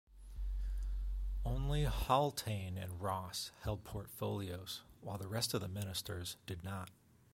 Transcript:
Only Haultain and Ross held portfolios while the rest of the ministers did not.